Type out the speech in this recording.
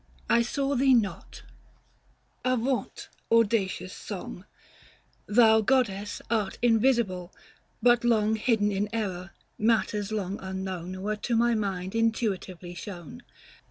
I saw thee not — avaunt, audacious song ! Thou goddess art invisible ; but long Hidden in error, matters long unknown Were to my mind intuitively shown.